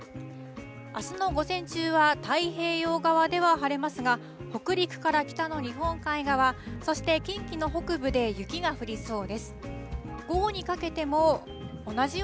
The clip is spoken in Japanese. あすの午前中は太平洋側では晴れますが、北陸から北の日本海側、そして近畿の北部で雪が降りそう